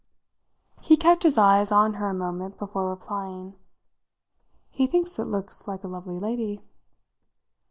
He kept his eyes on her a moment before replying. "He thinks it looks like a lovely lady."